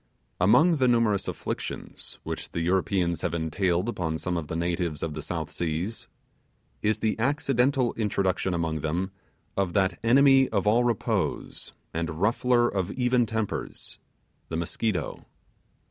Among the numerous afflictions which the Europeans have entailed upon some of the natives of the South Seas, is the accidental introduction among them of that enemy of all repose and ruffler of even tempers the Mosquito.